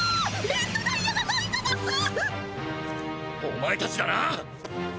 お前たちだな！